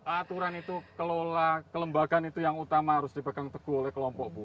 aturan itu kelola kelembagaan itu yang utama harus dipegang teguh oleh kelompok bu